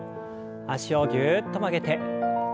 脚をぎゅっと曲げて。